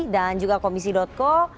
dan juga komisi co